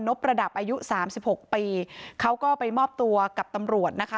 ประดับอายุสามสิบหกปีเขาก็ไปมอบตัวกับตำรวจนะคะ